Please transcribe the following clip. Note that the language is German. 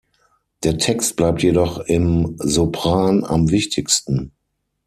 Der Text bleibt jedoch im Sopran am wichtigsten.